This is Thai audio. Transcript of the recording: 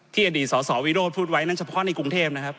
อดีตสสวิโรธพูดไว้นั่นเฉพาะในกรุงเทพนะครับ